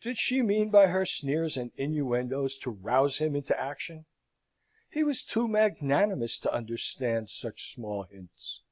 Did she mean by her sneers and innuendoes to rouse him into action? He was too magnanimous to understand such small hints.